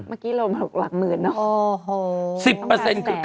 เมื่อกี้เราเราหลังหนึ่งนะโอ้โห